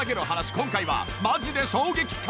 今回はマジで衝撃価格！